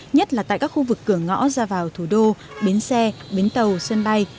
nhất là tại các khu vực cửa ngõ ra vào thủ đô bến xe bến tàu sân bay